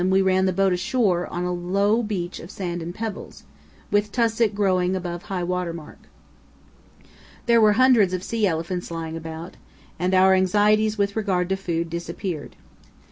we ran the boat ashore on a low beach of sand and pebbles, with tussock growing above high water mark. There were hundreds of sea elephants lying about, and our anxieties with regard to food disappeared.